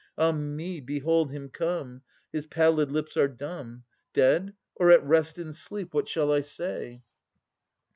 Ah me! behold him come. His pallid lips are dumb. Dead, or at rest in sleep? What shall I say?